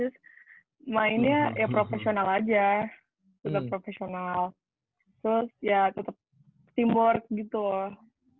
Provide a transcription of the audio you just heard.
terus mainnya ya profesional aja udah profesional terus ya tetap teamwork gitu loh